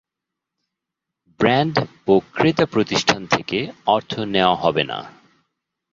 Brand ও ক্রেতাপ্রতিষ্ঠান থেকে অর্থ নেওয়া হবে না।